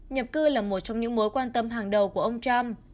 nhập cư là một trong những mối quan tâm hàng đầu của ông trump